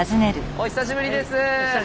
お久しぶりです。